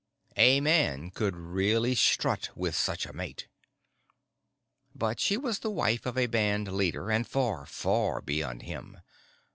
A man could really strut with such a mate. But she was the wife of a band leader and far, far beyond him.